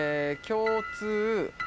共通。